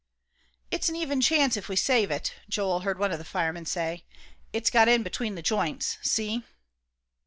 "It's an even chance, if we save it," Joel heard one of the firemen say; "it's got in between the joints. See!"